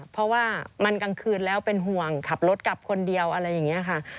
เพราะว่ามันกลางคืนแล้วเป็นห่วงขับรถกลับคนเดียวอะไรอย่างนี้ค่ะ